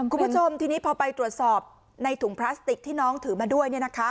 คุณผู้ชมทีนี้พอไปตรวจสอบในถุงพลาสติกที่น้องถือมาด้วย